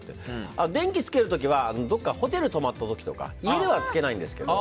電気をつけるときはどこかホテルに泊まった時とか家ではつけないですけど。